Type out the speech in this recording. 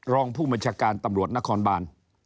รองผู้บัญชาการตำรวจนครบาน